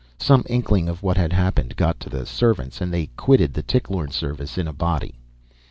Some inkling of what had happened got to the servants and they quitted the Tichlorne service in a body.